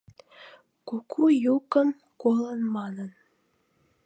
Куку йӱкым колын манын